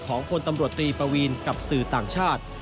ของคนตำรวจตีประวีนกับสื่อต่างชาติ